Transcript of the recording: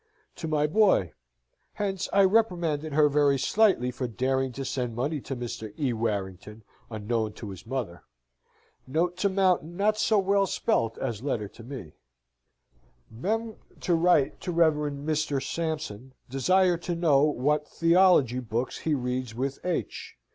to my boy. Hence I reprimanded her very slightly for daring to send money to Mr. E. Warrington, unknown to his mother. Note to Mountain not so well spelt as letter to me. "Mem. to write to Revd. Mr. Sampson desire to know what theolog. books he reads with H.